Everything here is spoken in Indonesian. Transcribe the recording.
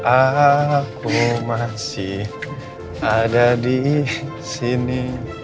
aku masih ada di sini